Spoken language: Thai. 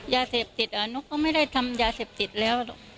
ยาเสพติดนกก็ไม่ได้ทำยาเสพติดแล้ว